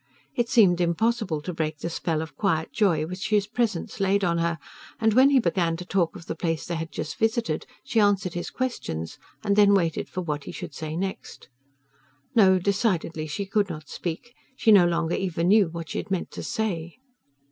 It seemed impossible to break the spell of quiet joy which his presence laid on her, and when he began to talk of the place they had just visited she answered his questions and then waited for what he should say next...No, decidedly she could not speak; she no longer even knew what she had meant to say...